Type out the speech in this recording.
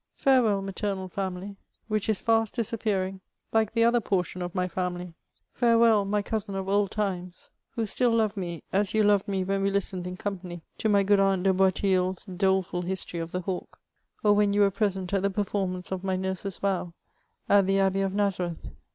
Farewell, maternal family, which is fEist disappearing like the other portion of my family 1 Fare well, my cousin of old times, who sUll love me as you loved me when we listened in company to my good aunt de fioistiUenl^s doleful history of the hawk, or when you w^e present at the performance of my nurse's vow, at the Abbey of Nazareth